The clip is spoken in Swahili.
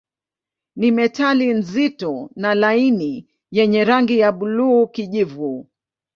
Ni metali nzito na laini yenye rangi ya buluu-kijivu.